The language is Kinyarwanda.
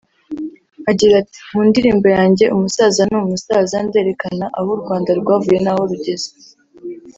Agira ati “Mu ndirimbo yanjye ‘umusaza ni umusaza’ nderekana aho u Rwanda rwavuye n’aho rugeze